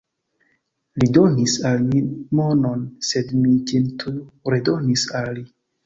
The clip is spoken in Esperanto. Li donis al mi monon, sed mi ĝin tuj redonis al li.